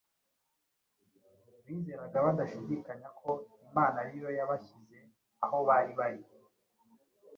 Bizeraga badashidikanya ko Imana ariyo yabashyize aho bari bari